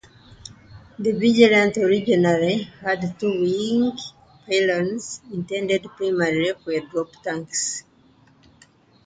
The Vigilante originally had two wing pylons, intended primarily for drop tanks.